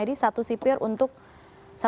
tidak bisa diawasi dengan tepat oleh para petugas ya